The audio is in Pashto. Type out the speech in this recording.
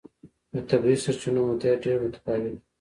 د طبیعي سرچینو مدیریت ډېر متفاوت و.